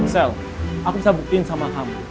sel aku bisa buktiin sama kamu